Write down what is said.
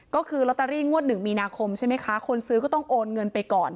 ก็คือลอตเตอรี่งวดหนึ่งมีนาคมใช่ไหมคะคนซื้อก็ต้องโอนเงินไปก่อน